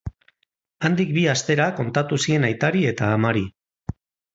Handik bi astera kontatu zien aitari eta amari.